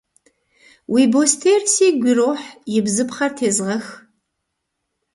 Уи бостейр сигу ирохь, и бзыпхъэр тезгъэх.